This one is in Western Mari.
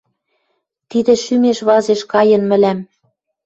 Тидӹ шӱмеш вазеш кайын мӹлӓм.